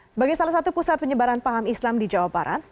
sebagai salah satu pusat penyebaran paham islam di jawa barat